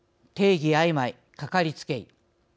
定義あいまい、かかりつけ医」